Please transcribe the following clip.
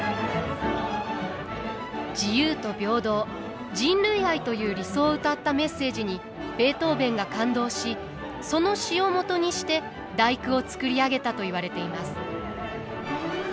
自由と平等人類愛という理想をうたったメッセージにベートーヴェンが感動しその詩をもとにして「第９」を作り上げたといわれています。